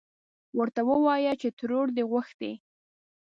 ورته ووايه چې ترور دې غوښتې.